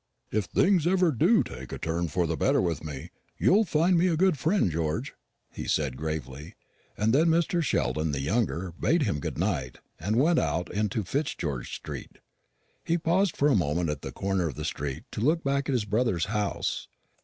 "If things ever do take a turn for the better with me, you'll find me a good friend, George," he said gravely; and then Mr. Sheldon the younger bade him good night, and went out into Fitzgeorge street. He paused for a moment at the corner of the street to look back at his brother's house.